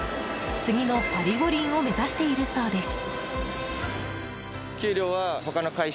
次のパリ五輪を目指しているそうです。